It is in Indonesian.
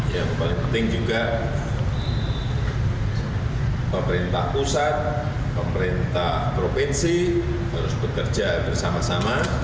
yang paling penting juga pemerintah pusat pemerintah provinsi harus bekerja bersama sama